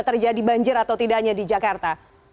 menjadi banjir atau tidaknya di jakarta